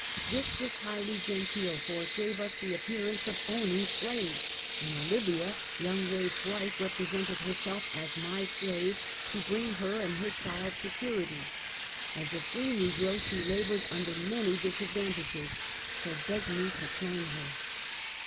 This was highly genteel, for it gave ns the appearance of owning slaves, and Olivia, young Wade's wife, repre sented herself as my slave, to bring her and her child security. As a free negro, she labored under many disadvantages, so begged me to claim her.